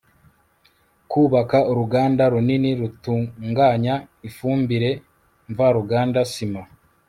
kubaka uruganda runini rutunganya ifumbire mvaruganda, sima